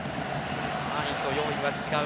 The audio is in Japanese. ３位と４位は違う。